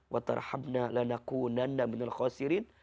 wa tharhamna lanakunanna minul khasirin